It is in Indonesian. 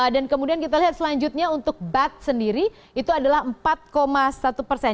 dan kemudian kita lihat selanjutnya untuk baht sendiri itu adalah empat satu persen